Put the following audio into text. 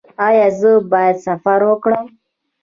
ایا زه باید سفر وکړم؟